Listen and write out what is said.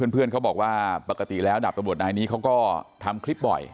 เพื่อนเขาบอกว่าปกติแล้วดาบตำรวจนายนี้เขาก็ทำคลิปบ่อย